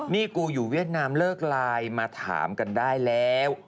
นี่กูอยู่เวียดนามเลิกไลน์มาถามกันได้แล้ว